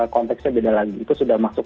konteksnya beda lagi itu sudah masuk